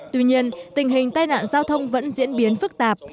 tuy nhiên tình hình tai nạn giao thông vẫn diễn biến phức tạp